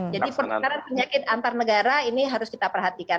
jadi pertukaran penyakit antar negara ini harus kita perhatikan